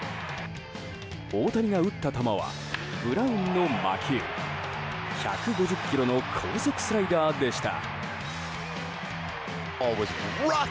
大谷が打った球はブラウンの魔球１５０キロの高速スライダーでした。